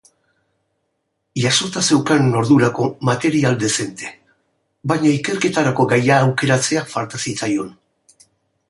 Jasota zeukan ordurako material dezente, baina ikerketarako gaia aukeratzea falta zitzaion.